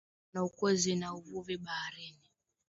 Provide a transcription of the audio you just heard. Ukulima na ukwezi, na uvuvi baharini